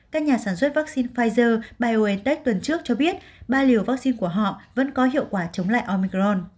các nhà sản xuất vaccine pfizer biontech tuần trước cho biết ba liều vaccine của họ vẫn có hiệu quả chống lại omicron